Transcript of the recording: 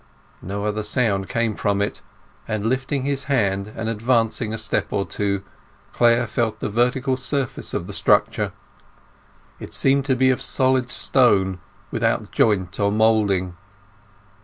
No other sound came from it, and lifting his hand and advancing a step or two, Clare felt the vertical surface of the structure. It seemed to be of solid stone, without joint or moulding.